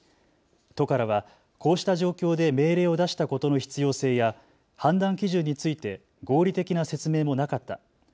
都からは、こうした状況で命令を出したことの必要性や判断基準について合理的な説明もなかった。